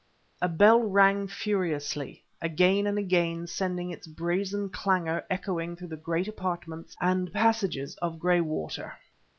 A bell rang furiously, again and again sending its brazen clangor echoing through the great apartments and passages of Graywater.